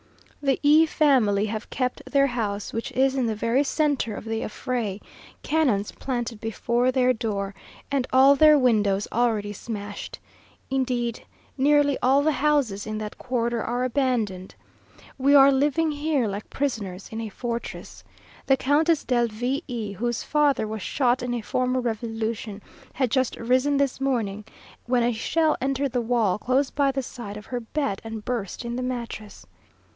The E family have kept their house, which is in the very centre of the affray, cannons planted before their door, and all their windows already smashed. Indeed, nearly all the houses in that quarter are abandoned. We are living here like prisoners in a fortress. The Countess del V e, whose father was shot in a former revolution, had just risen this morning, when a shell entered the wall close by the side of her bed, and burst in the mattress.